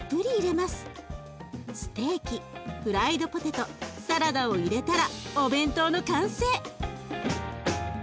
ステーキフライドポテトサラダを入れたらお弁当の完成！